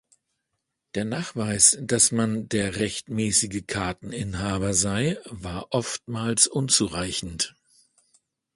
Der Nachweis, dass man der rechtmäßige Karteninhaber sei, war oftmals unzureichend.